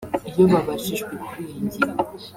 Iyo babajijwe kuri iyi ngingo